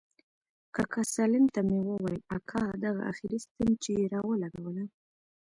کاکا سالم ته مې وويل اكا دغه اخري ستن چې يې راولګوله.